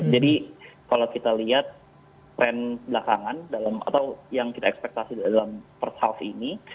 jadi kalau kita lihat tren belakangan atau yang kita ekspektasi dalam first half ini